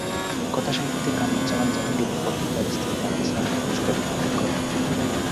কথাসাহিত্যে কামরুজ্জামান জাহাঙ্গীরের পক্ষে তাঁর স্ত্রী নারগিস নাহার পুরস্কার গ্রহণ করেন।